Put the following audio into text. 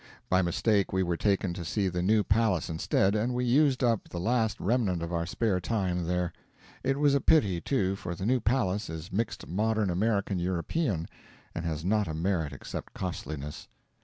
By mistake we were taken to see the new palace instead, and we used up the last remnant of our spare time there. It was a pity, too; for the new palace is mixed modern American European, and has not a merit except costliness.